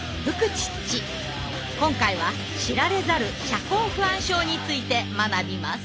今回は知られざる「社交不安症」について学びます。